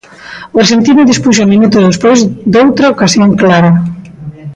O arxentino dispuxo minutos despois doutra ocasión clara.